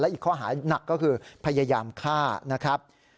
อีกข้อหาหนักก็คือพยายามฆ่านะครับ